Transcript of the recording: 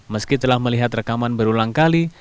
meski telah melihat rekaman berulang kali